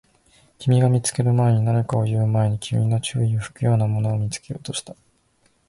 君が見つける前に、何かを言う前に、君の注意を引くようなものを見つけようとした